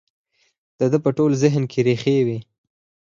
د ده په ټول ذهن کې رېښې کوي.